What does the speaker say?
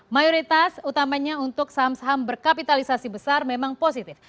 mayoritas utamanya untuk saham saham berkapitalisasi besar memang positif